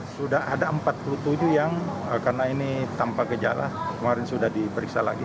sudah ada empat puluh tujuh yang karena ini tanpa gejala kemarin sudah diperiksa lagi